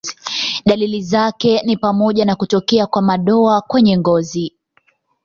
Dalili zake ni pamoja na kutokea kwa madoa kwenye ngozi.